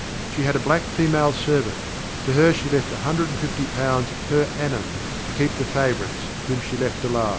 She had a black Female Servant to Her she left One hundred and fifty pounds per annum to keep the Favourites, whom she left alive."